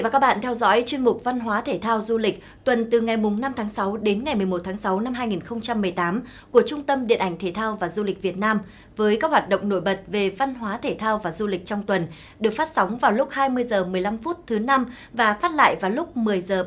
cảm ơn các bạn đã theo dõi và ủng hộ cho bộ phim